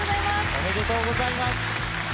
おめでとうございます。